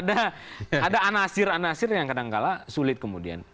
ada anasir anasir yang kadangkala sulit kemudian